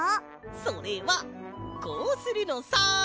それはこうするのさ！